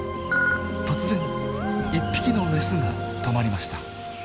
突然１匹のメスが止まりました。